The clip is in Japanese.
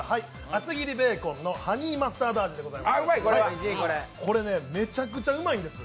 厚切りベーコンのハニーマスタード味でございます。